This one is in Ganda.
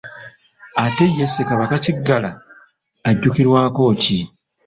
Ate ye Ssekabaka Kiggala ajjukirwako ki ?